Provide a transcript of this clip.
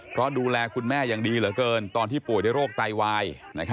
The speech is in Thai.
เพราะดูแลคุณแม่อย่างดีเหลือเกินตอนที่ป่วยด้วยโรคไตวาย